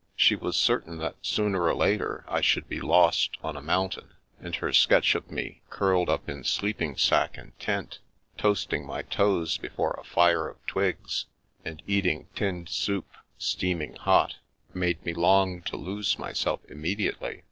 She was certain that sooner or later I should be lost on a mountain; and her sketch of me, curled up in sleeping sack and tent, toasting my toes before a fire of twigs, and eating tinned soup, steaming hot, made me long to lose myself immediately.